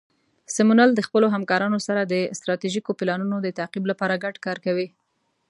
سمونمل د خپلو همکارانو سره د ستراتیژیکو پلانونو د تطبیق لپاره ګډ کار کوي.